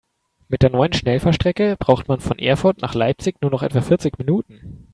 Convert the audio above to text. Mit der neuen Schnellfahrstrecke braucht man von Erfurt nach Leipzig nur noch etwa vierzig Minuten